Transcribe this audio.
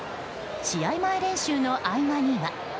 試合前練習の合間には。